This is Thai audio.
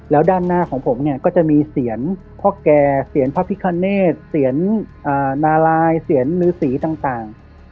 แล้วด้านหน้าของผมเนี่ยก็จะมีเสียงพ่อแก่เสียนพระพิคเนตเสียนนาลายเสียนฤษีต่าง